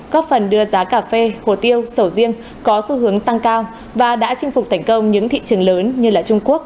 góp phần đưa giá cà phê hồ tiêu sầu riêng có xu hướng tăng cao và đã chinh phục thành công những thị trường lớn như trung quốc